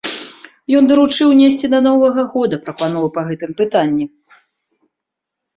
Ён даручыў унесці да новага года прапановы па гэтым пытанні.